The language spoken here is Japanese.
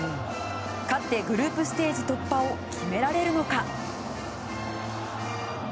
勝ってグループステージ突破を決められるのか。